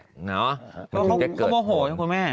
เพราะเขาโมโหใช่ไหมคุณแม่